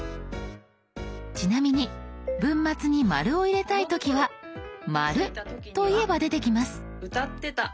ちなみに文末に「。」を入れたい時は「まる」と言えば出てきます。